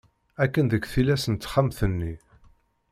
Akken deg tillas n texxamt-nni.